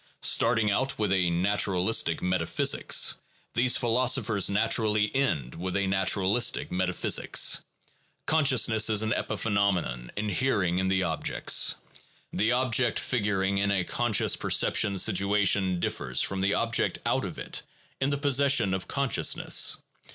Starting out with a naturalistic metaphysics, these philosophers naturally end with a naturalistic metaphysics: consciousness is an epiphenomenon, inhering in the objects. The object figuring in a conscious perceptual situ ation differs from the object out of it in the possession of con sciousness.